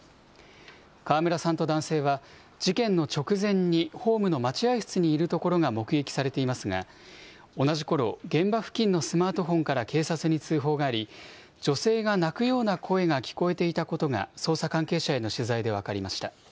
川村さんと男性は事件の直前にホームの待合室にいるところが目撃されていますが、同じころ、現場付近のスマートフォンから警察に通報があり、女性が泣くような声が聞こえていたことが、捜査関係者への取材で分かりました。